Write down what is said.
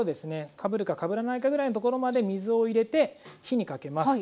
かぶるかかぶらないかぐらいの所まで水を入れて火にかけます。